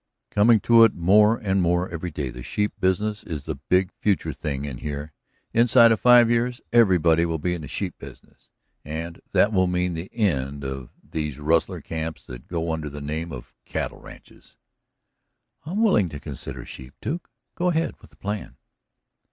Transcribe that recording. "Coming to it more and more every day. The sheep business is the big future thing in here. Inside of five years everybody will be in the sheep business, and that will mean the end of these rustler camps that go under the name of cattle ranches." "I'm willing to consider sheep, Duke. Go ahead with the plan."